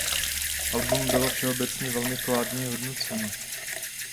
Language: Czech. Album bylo všeobecně velmi kladně hodnoceno.